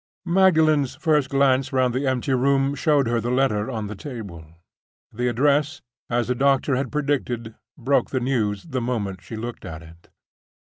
Magdalen's first glance round the empty room showed her the letter on the table. The address, as the doctor had predicted, broke the news the moment she looked at it.